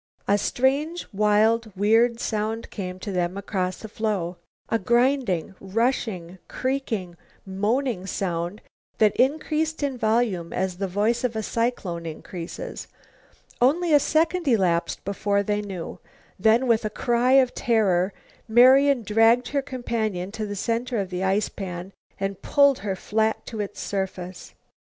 A strange, wild, weird sound came to them across the floe, a grinding, rushing, creaking, moaning sound that increased in volume as the voice of a cyclone increases. Only a second elapsed before they knew. Then with a cry of terror Marian dragged her companion to the center of the ice pan and pulled her flat to its surface.